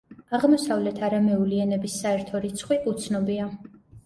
აღმოსავლეთ არამეული ენების საერთო რიცხვი უცნობია.